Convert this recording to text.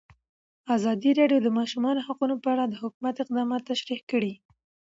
ازادي راډیو د د ماشومانو حقونه په اړه د حکومت اقدامات تشریح کړي.